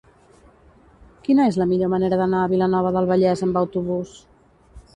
Quina és la millor manera d'anar a Vilanova del Vallès amb autobús?